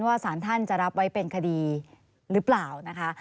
สารท่านจะรับไว้เป็นคดีหรือเปล่านะคะ